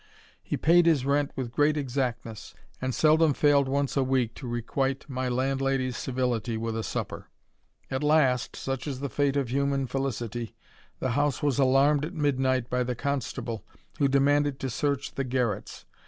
He paid his rent with great exactness, and seldom failed once a week to requite my THE RAMBLER. 171 andlady's civility with a supper. At last, such is the fate >f liuman felicity, the house was alarmed at midnight by ^e constable, who demanded to search the garrets.